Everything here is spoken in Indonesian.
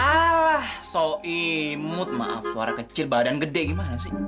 ah sol imut maaf suara kecil badan gede gimana sih